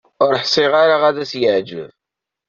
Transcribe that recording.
Ur ḥṣiɣ ara ad s-yeɛǧeb.